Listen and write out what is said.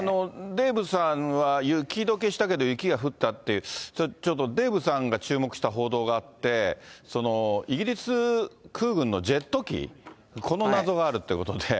デーブさんは雪どけしたけど雪が降ったって、ちょっとデーブさんが注目した報道があって、イギリス空軍のジェット機、この謎があるということで。